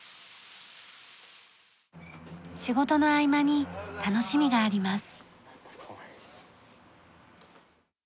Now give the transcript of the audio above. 仕事の合間に楽しみがあります。